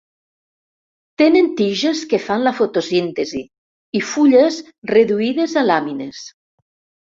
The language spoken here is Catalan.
Tenen tiges que fan la fotosíntesi i fulles reduïdes a làmines.